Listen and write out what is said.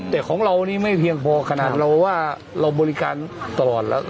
แต่ของเรานี่ไม่เพียงพอขนาดเราว่าเราบริการตลอดแล้ว